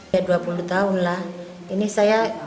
ya dua puluh tahun lah ini saya